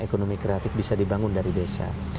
ekonomi kreatif bisa dibangun dari desa